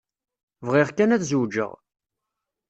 Bɣiɣ kan ad zewǧeɣ.